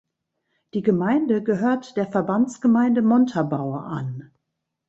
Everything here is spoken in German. Die Gemeinde gehört der Verbandsgemeinde Montabaur an.